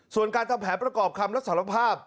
ส่วนการทำแผนประกอบคำรับสารภาพ